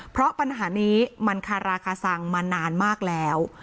เพราะปัญหานี้มันคาราคาซังมานานมากแล้ว